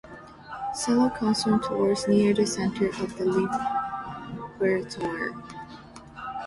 Cello concertos near the center of the "repertoire".